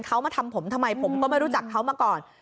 เขามาทำผมทำไมผมก็ไม่รู้จักเขามาก่อน